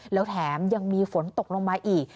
แล้วแถมยังมีฝนตกลงมาอีก